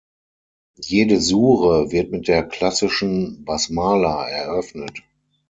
Jede Sure wird mit der klassischen Basmala eröffnet.